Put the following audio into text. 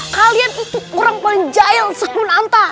kalian itu orang paling jahil seumur nanta